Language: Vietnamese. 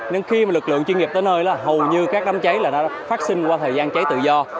nên khi lực lượng chuyên nghiệp tới nơi hầu như các đám cháy đã phát sinh qua thời gian cháy tự do